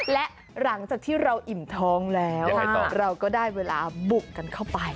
และหลังจากที่เราอิ่มท้องแล้วเราก็ได้เวลาบุกกันเข้าไป